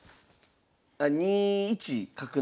２一角成？